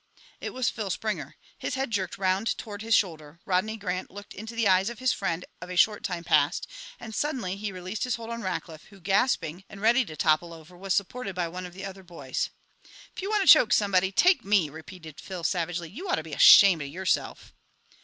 It was Phil Springer. His head jerked round toward his shoulder, Rodney Grant looked into the eyes of his friend of a short time past, and suddenly he released his hold on Rackliff, who, gasping and ready to topple over, was supported by one of the other boys. "If you want to choke somebody, take me!" repeated Phil savagely. "You ought to be ashamed of yourself!"